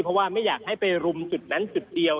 เพราะว่าไม่อยากให้ไปรุมจุดนั้นจุดเดียว